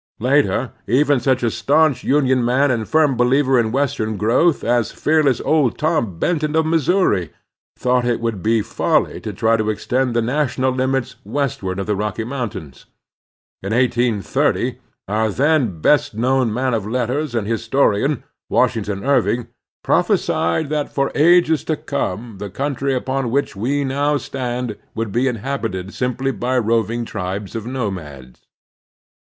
Later even such a stanch Union man and firm believer in Western g^o^vth as fearless old Tom Benton of Missoiiri thought that it would be folly to try to extend the national limits westward of the Rocky Motmtains. In 1830 our then best known man of letters and historian, Washington Irving, prophesied that for ages to come the country upon which we now stand would be inhabited simply by roving tribes of nomads.